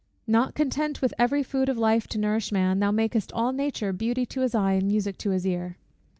Not content With every food of life to nourish man, Thou mak'st all nature beauty to his eye And music to his ear.